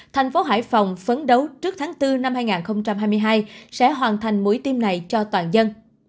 thành phố hải phòng phấn đấu trước tháng bốn năm hai nghìn hai mươi hai sẽ hoàn thành mũi tiêm này cho toàn dân